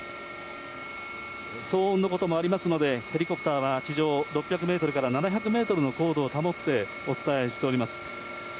騒音のこともありますので、ヘリコプターは地上６００メートルから７００メートルの高度を保ってお伝えしております。